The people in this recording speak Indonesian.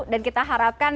dan kita harapkan